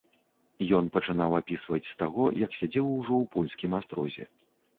Ён пачынаў апісваць з таго, як сядзеў ужо ў польскім астрозе.